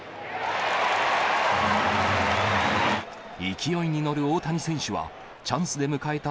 勢いに乗る大谷選手は、チャンスで迎えた